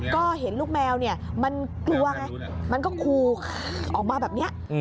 ก็เห็นลูกแมวเนี่ยมันกลัวไงมันก็คูออกมาแบบนี้